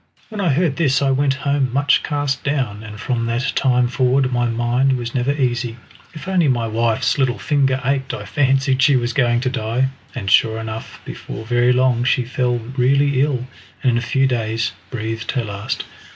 When I heard this I went home much cast down, and from that time forward my mind was never easy. If only my wife's little finger ached I fancied she was going to die, and sure enough before very long she fell really ill and in a few days breathed her last.